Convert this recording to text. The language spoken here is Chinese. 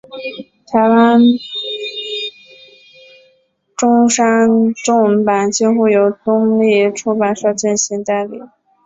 台湾中文版几乎由东立出版社进行代理。